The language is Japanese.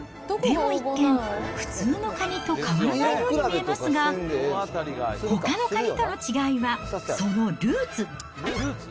でも一見、普通のカニと変わらないように見えますが、ほかのカニとの違いは、そのルーツ。